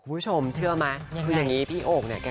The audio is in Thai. คุณผู้ชมเชื่อไหมคืออย่างนี้พี่โอ่งเนี่ย